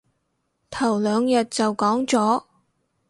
頭兩日就講咗